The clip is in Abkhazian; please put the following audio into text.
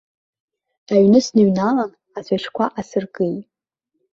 Аҩны сныҩналан, ацәашьқәа асыркит.